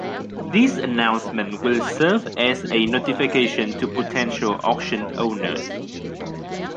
This announcement will serve as a notification to potential auction owners.